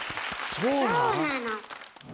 そうなの。